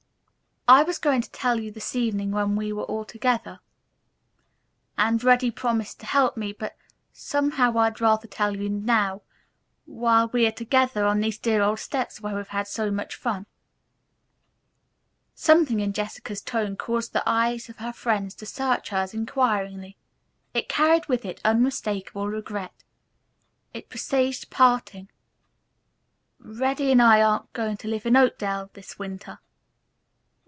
"I was going to tell you this evening when we were all together, and Reddy promised to help me, but, somehow, I'd rather tell you now, while we are together on these dear old steps where we've had so much fun." Something in Jessica's tone caused the eyes of her friends to search hers inquiringly. It carried with it unmistakable regret. It presaged parting. "Reddy and I aren't going to live in Oakdale this winter.